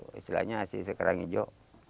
hasilnya saya kerang hijau